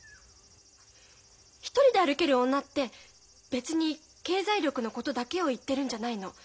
一人で歩ける女って別に経済力のことだけを言ってるんじゃないの。